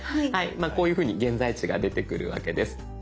こういうふうに現在地が出てくるわけです。